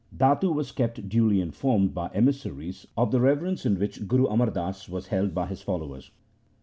Datu was kept duly informed by emissaries of the reverence in which Guru Amar Das was held by his followers.